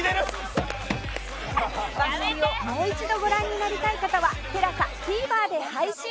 番組をもう一度ご覧になりたい方は ＴＥＬＡＳＡＴＶｅｒ で配信